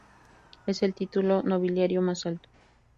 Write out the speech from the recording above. Es el título nobiliario más alto.